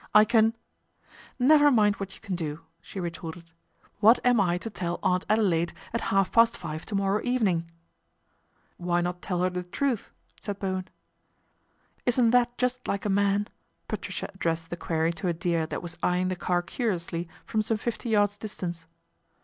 " I can "" Never mind what you can do," she retorted. " What am I to tell Aunt Adelaide at half past five to morrow evening ?" "Why not tell her the truth?" said Bowen. " Isn't that just like a man ?" Patricia ad dressed the query to a deer that was eyeing the car curiously from some fifty yards distance.